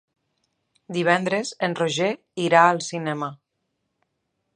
Divendres en Roger irà al cinema.